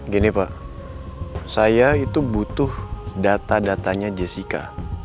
gini pak saya itu butuh data datanya jessica